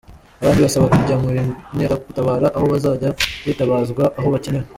Abandi basaba kujya mu Nkeragutabara aho bazajya bitabazwa aho bakenewe.